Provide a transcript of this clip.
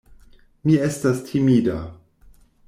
Mi estas timida.